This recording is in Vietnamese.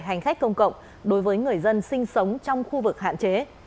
hành khách công cộng đối với người dân sinh sống trong khu vực hạn chế